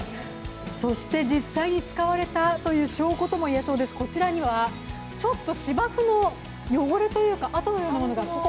そして実際に使われたという証拠とも言えそうです、こちらには、ちょっと芝生の汚れというか跡のようなものが、ここ。